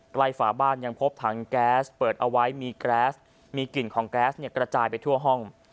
ฝาบ้านยังพบถังแก๊สเปิดเอาไว้มีแก๊สมีกลิ่นของแก๊สกระจายไปทั่วห้อง